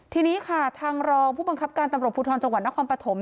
ทีนี้ค่ะทางรองผู้บังคับการตำรวจภูทรจังหวัดนครปฐม